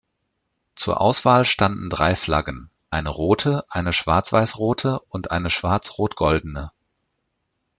Zur Auswahl standen drei Flaggen, eine rote, eine schwarz-weiß-rote und eine schwarz-rot-goldene.